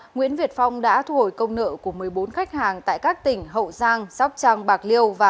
nguyễn việt phong đã thu hồi công nợ của một mươi bốn khách hàng tại các tỉnh hậu giang sóc trăng bạc liêu